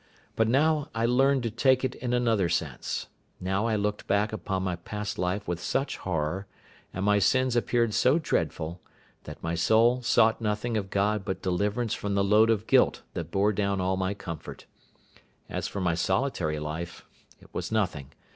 But now I learned to take it in another sense: now I looked back upon my past life with such horror, and my sins appeared so dreadful, that my soul sought nothing of God but deliverance from the load of guilt that bore down all my comfort. As for my solitary life, it was nothing.